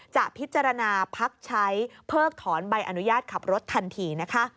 จะพิจารณาพักใช้เพิกถอนใบอนุญาตขับรถทันทีนะคะ